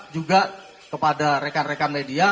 juga kepada rekan rekan media